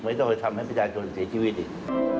ต้องไปทำให้ประชาชนเสียชีวิตอีก